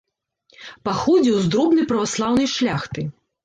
Паходзіў з дробнай праваслаўнай шляхты.